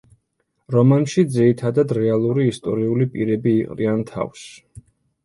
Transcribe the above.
რომანში ძირითადად რეალური ისტორიული პირები იყრიან თავს.